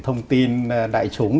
thông tin đại chúng